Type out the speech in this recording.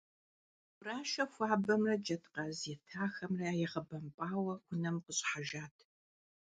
Гурашэ хуабэмрэ джэдкъаз етахэмрэ ягъэбэмпӀауэ унэм къыщӀыхьэжат.